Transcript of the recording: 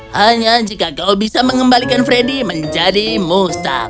hanya jika kau bisa mengembalikan freddy menjadi mustab